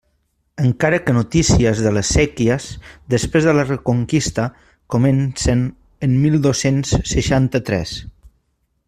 Encara que notícies de les séquies després de la reconquista comencen en mil dos-cents seixanta-tres.